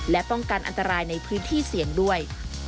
และป้องกันอันตรายในพื้นที่เสี่ยงด้วย